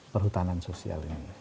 perhutanan sosial ini